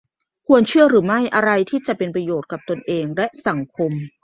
ควรเชื่อหรือไม่ และอะไรที่จะเป็นประโยชน์กับตนเอง และ สังคม